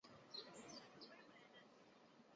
白毛子楝树为桃金娘科子楝树属下的一个种。